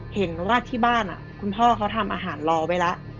เห็นว่าที่บ้านคุณพ่อเขาทำอาหารรอไว้แล้ว